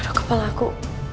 aduh kepala aku